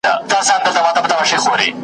اوس به روژې د ابوجهل په نارو ماتوو `